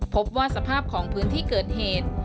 พบว่าสภาพของพื้นที่เกิดเหตุ